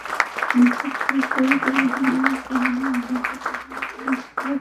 নচেৎ গ্রেপ্তার করা হলেও প্রমাণের অভাবে তাঁদের খালাস পাওয়ার সম্ভাবনাই থেকে যায়।